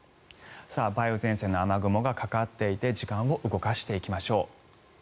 梅雨前線の雨雲がかかっていて時間を動かしていきましょう。